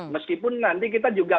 meskipun nanti kita juga